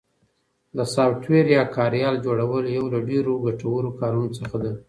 د سافټویر یا کاریال جوړل یو له ډېرو ګټورو کارونو څخه ده